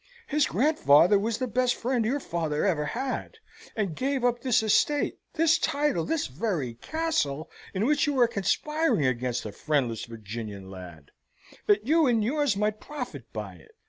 His grandfather was the best friend your father ever had, and gave up this estate, this title, this very castle, in which you are conspiring against the friendless Virginian lad, that you and yours might profit by it.